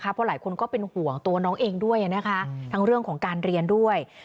เพราะหลายคนก็เป็นห่วงตัวน้องเองด้วยทั้งเรื่องของการเรียนด้วย